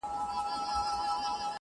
چي روږدي سوی له کوم وخته په گيلاس يمه.